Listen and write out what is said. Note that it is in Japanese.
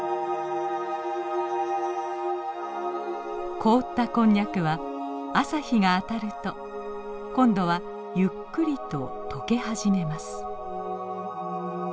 凍ったこんにゃくは朝日が当たると今度はゆっくりと溶け始めます。